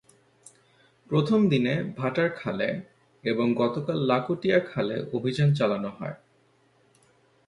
প্রথম দিনে ভাটার খালে এবং গতকাল লাকুটিয়া খালে অভিযান চালানো হয়।